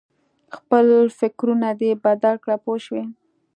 خپل فکرونه دې بدل کړه پوه شوې!.